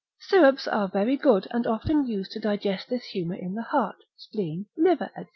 Syrups are very good, and often used to digest this humour in the heart, spleen, liver, &c.